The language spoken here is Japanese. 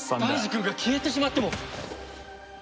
大二くんが消えてしまっても？